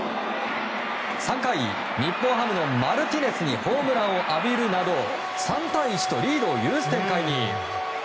３回、日本ハム、マルティネスにホームランを浴びるなど３対１とリードを許す展開に。